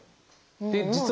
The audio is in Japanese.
実は。